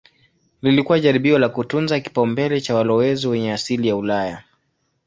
Lilikuwa jaribio la kutunza kipaumbele cha walowezi wenye asili ya Ulaya.